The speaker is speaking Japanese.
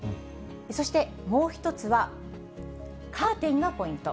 そして、もう１つは、カーテンがポイント。